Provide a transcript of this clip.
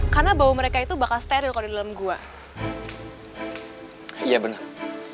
karena bau mereka itu bakal steril kau di dalam gua iya bener bener